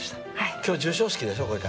今日、授賞式でしょ。